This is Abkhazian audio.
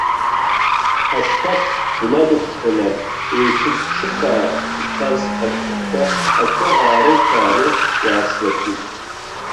Ашкаф днадыххылан, еиқәырԥшьыхаа иҭаз ашәҟәқәа акы аарылԥааны иааслыркит.